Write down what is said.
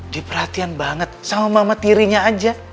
dia perhatian banget sama mama tirinya aja